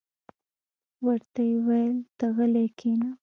ورته ویې ویل: ته غلې کېنه.